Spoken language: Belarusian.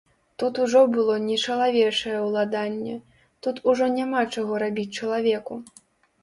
Тут ужо было не чалавечае ўладанне, тут ужо няма чаго рабіць чалавеку.